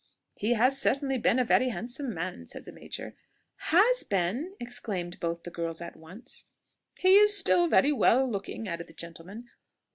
"He has certainly been a very handsome man," said the major. "Has been!" exclaimed both the girls at once. "He is still very well looking," added the gentleman.